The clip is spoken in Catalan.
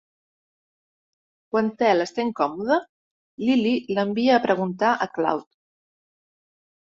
Quan Thel està incòmoda, Lily l'envia a preguntar a Cloud.